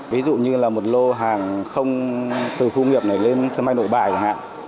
ví dụ như là một lô hàng không từ khu nghiệp này lên sân bay nội bài chẳng hạn